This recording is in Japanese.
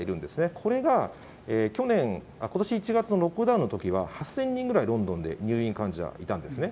これが去年、ことし１月のロックダウンのときは、８０００人ぐらいロンドンで入院患者いたんですね。